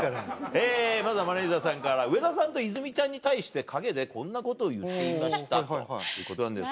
えまずはマネジャーさんから「上田さんと泉ちゃんに対して陰でこんなこと言っていました」ということなんですが。